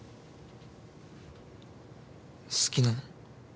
好きなの？